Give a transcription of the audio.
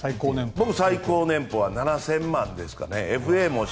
僕、最高年俸は７０００万ですかね。